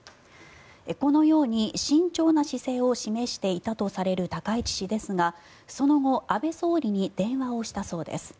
このように慎重な姿勢を示していたとされる高市氏ですがその後、安倍総理に電話をしたそうです。